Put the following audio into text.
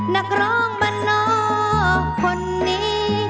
นักร้องบ้านนอกคนนี้